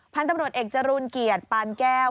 พันธุ์ตำรวจเอกจรูลเกียรติปานแก้ว